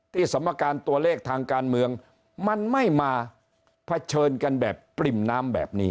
สมการตัวเลขทางการเมืองมันไม่มาเผชิญกันแบบปริ่มน้ำแบบนี้